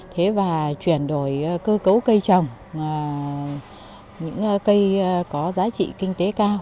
thế và chuyển đổi cơ cấu cây trồng những cây có giá trị kinh tế cao